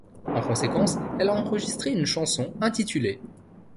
En conséquence, elle a enregistré une chanson intitulée '.